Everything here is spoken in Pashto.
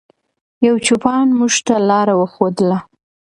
یو چوپان موږ ته لاره وښودله.